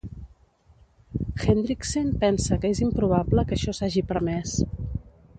Hendriksen pensa que és improbable que això s'hagi permès.